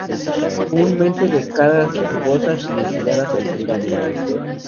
Comúnmente de caras rugosas y estriadas horizontalmente.